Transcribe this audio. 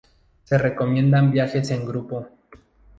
Se recomiendan viajes en grupo.